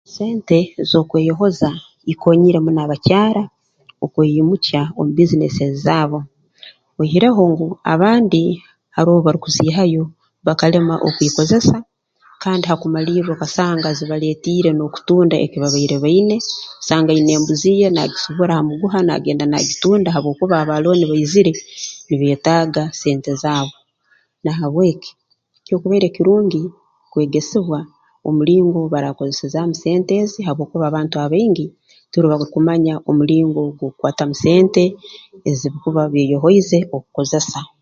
Sente ez'okweyohoza ikoonyiire muno abakyara okweimukya omu businesses zaabo oihireho ngu abandi haroho obu barukuziihayo bakalema okwikozesa kandi hakumalirra okasanga zibaleetiire n'okutunda eki babaire baine noosanga aine embuzi ye naagisibura ha muguha naagenda naagitunda habwokuba aba looni baizire nibeetaaga sente zaabo na habw'eki kyokubaire kirungi kwegesibwa omulingo baraakozesezaamu sente ezi habwokuba abantu abaingi tibarukumanya omulingo gw'okukwatamu sente ezirukuba beeyohoize okukozesa